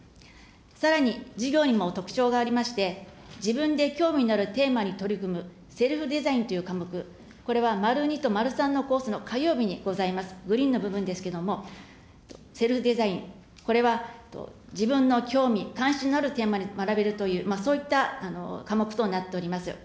さらに、授業にも特徴がありまして、自分で興味のあるテーマに取り組むセルフデザインという科目、これはまる２とまる３のコースの火曜日にございます、グリーンの部分ですけれども、セルフデザイン、これは自分の興味、関心のあるテーマに学べるという、そういった科目となっております。